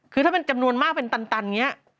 คือถ้าเป็นจำนวนมากเป็นตันอย่างนี้